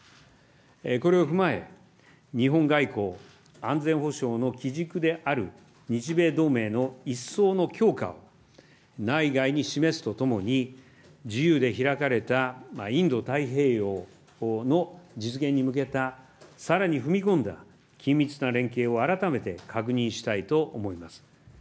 これを踏まえ、日本外交・安全保障の基軸である日米同盟の一層の強化を内外に示すとともに、自由で開かれたインド太平洋の実現に向けた、さらに踏み込んだ緊密な連携を改めて確認したいと思います。